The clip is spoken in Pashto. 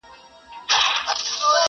د ماهیانو سوې خوراک مرګ دي په خوا دی!.